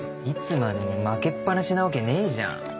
いつまでも負けっ放しなわけねえじゃん！